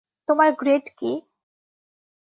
তোমার গ্রেড কী?